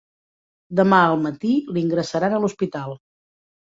Demà al matí l'ingressaran a l'hospital.